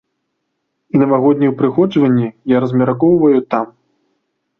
І навагоднія ўпрыгожванні я размяркоўваю там.